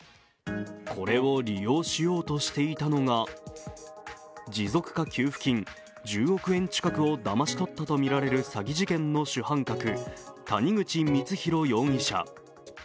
これを利用しようとしていたのが持続化給付金１０億円近くをだまし取ったとみられる詐欺事件の主犯格谷口光弘容疑者。